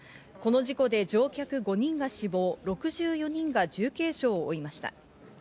この事故で乗客５人が死亡、６４人が重軽傷を負いました。